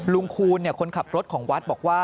คูณคนขับรถของวัดบอกว่า